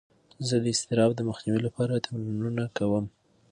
زه د اضطراب د مخنیوي لپاره تمرینونه کوم.